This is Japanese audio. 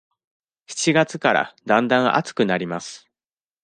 七月からだんだん暑くなります。